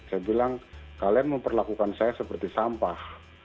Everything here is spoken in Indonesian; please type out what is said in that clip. saya bilang kalian memperlakukan saya seperti sampah